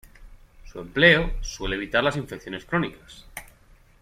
Su empleo suele evitar las infecciones crónicas.